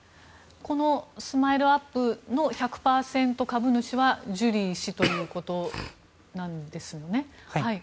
このＳＭＩＬＥ−ＵＰ．の１００％株主はジュリー氏ということなんですね。